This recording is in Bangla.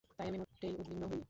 তাই আমি মোটেই উদ্বিগ্ন হইনি।